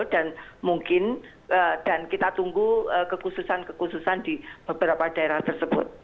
dan mungkin dan kita tunggu kekhususan kekhususan di beberapa daerah tersebut